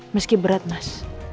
meski berat mas